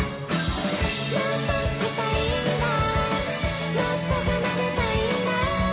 「もっと弾きたいんだもっと奏でたいんだ」